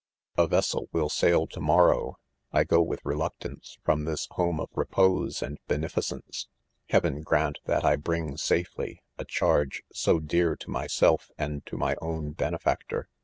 .' A vessel will sail to morrow 1 1 go with re • liictance'ftonifth|f ; home of repose and benefit ■ eence. Heaven grant. that I bring ' safely, a charge" so dear to myself arid to my own ben efactor.